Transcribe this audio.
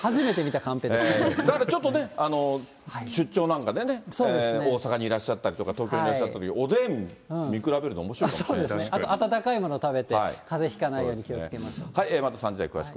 だからちょっと、出張なんか大阪にいらっしゃった方、東京にいらっしゃったとき、おでん見比べるの、おもしろいかもしれ温かいもの食べて、かぜひかないように気をつけましょう。